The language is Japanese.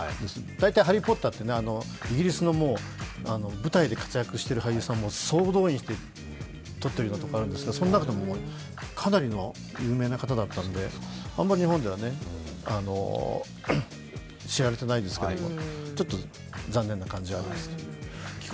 大体「ハリー・ポッター」ってイギリスの舞台で活躍してる俳優さんも総動員して撮っているのとかあるんですけどその中でもかなりの有名な方だったのであんま日本ではね、知られてないですけどちょっと残念な感じがありますね。